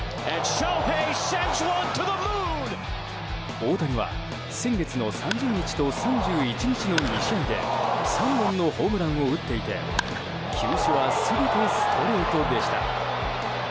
大谷は先月の３０日と３１日の２試合で３本のホームランを打っていて球種は全てストレートでした。